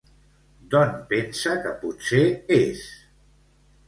D'on pensa que potser és?